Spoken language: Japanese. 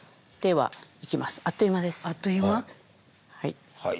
はい。